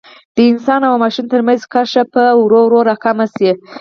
د انسان او ماشین ترمنځ کرښه به ورو ورو را کمه شي.